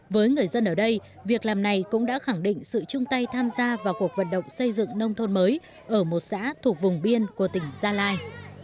với người dân ở đây việc làm này cũng đã khẳng định sự chung tay tham gia vào cuộc vận động xây dựng nông thôn mới ở một xã thuộc vùng biên của tỉnh gia lai